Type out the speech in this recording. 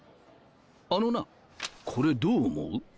あのなこれどう思う？